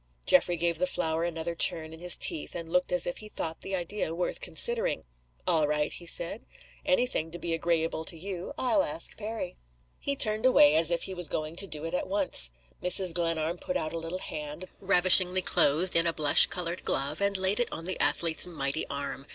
Geoffrey gave the flower another turn in his teeth, and looked as if he thought the idea worth considering. "All right," he said. "Any thing to be agreeable to you. I'll ask Perry." He turned away, as if he was going to do it at once. Mrs. Glenarm put out a little hand, ravishingly clothed in a blush colored glove, and laid it on the athlete's mighty arm.